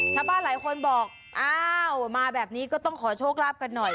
ชาวบ้านหลายคนบอกอ้าวมาแบบนี้ก็ต้องขอโชคลาภกันหน่อย